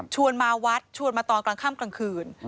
มาวัดชวนมาตอนกลางค่ำกลางคืน